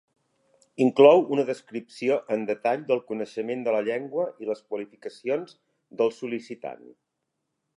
Inclou una descripció en detall del coneixement de la llengua i les qualificacions del sol·licitant.